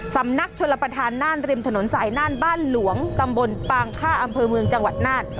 สำนักชลประธานน่านริมถนนสายน่านบ้านหลวงตำบลปางค่าอำเภอเมืองจังหวัดน่าน